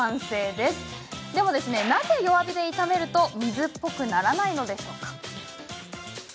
でもなぜ、弱火で炒めると水っぽくならないのでしょうか？